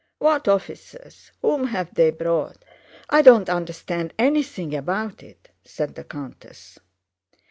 "What officers? Whom have they brought? I don't understand anything about it," said the countess.